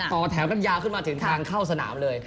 ต่อแถวกันยาวขึ้นมาถึงทางเข้าสนามเลย